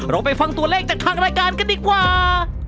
ไปฟังตัวเลขจากทางรายการกันดีกว่า